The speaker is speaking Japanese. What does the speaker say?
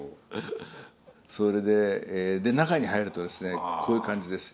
それで中に入るとこういう感じです。